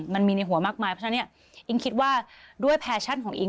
มันมีในหัวมากมายเพราะฉะนั้นเนี่ยอิ๊งคิดว่าด้วยแฟชั่นของอิง